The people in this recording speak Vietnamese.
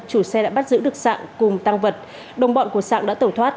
chủ xe đã bắt giữ được sạng cùng tăng vật đồng bọn của sạng đã tẩu thoát